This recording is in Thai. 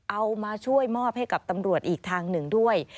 เอามาช่วยมอบให้กับตำรวจอีกทางหนึ่งด้วย